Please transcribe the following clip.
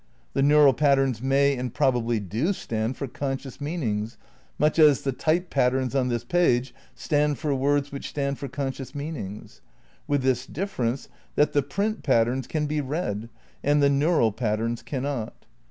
The neural patterns may and probably do stand for conscious meanings, much as the type patterns on this page stand for words which stand for conscious meanings; with this difference that the print patterns can be read and the neural patterns can not.